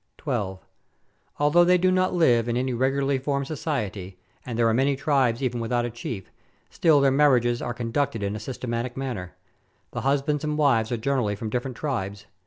12. Although they do not live in any regularly formed society, and there are many tribes even without a chief, still their marriages are conducted in a systematic manner. The husbands and wives are generally from different tribes.